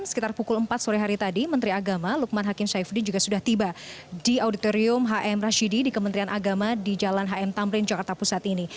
sekitar pukul empat sore hari tadi menteri agama lukman hakim syaifuddin juga sudah tiba di auditorium hm rashidi di kementerian agama di jalan hm tamrin jakarta pusat ini